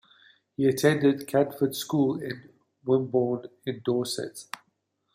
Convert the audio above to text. He attended Canford School in Wimborne in Dorset.